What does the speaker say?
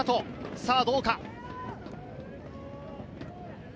さぁ、どうか。